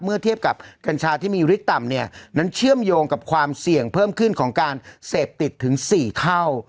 เทียบกับกัญชาที่มีฤทธิต่ำเนี่ยนั้นเชื่อมโยงกับความเสี่ยงเพิ่มขึ้นของการเสพติดถึง๔เท่า